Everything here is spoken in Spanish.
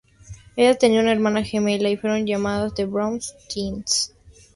Ella tenía una hermana gemela, y fueron llamadas The Brown Twins.